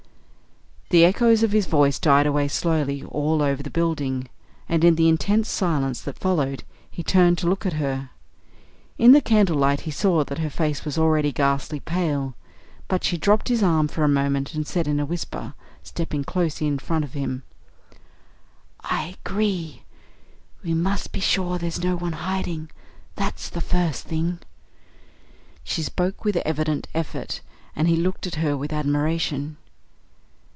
The echoes of his voice died away slowly all over the building, and in the intense silence that followed he turned to look at her. In the candle light he saw that her face was already ghastly pale; but she dropped his arm for a moment and said in a whisper, stepping close in front of him "I agree. We must be sure there's no one hiding. That's the first thing." She spoke with evident effort, and he looked at her with admiration.